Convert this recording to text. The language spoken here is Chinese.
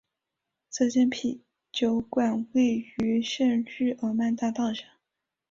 这间啤酒馆位于圣日耳曼大道上。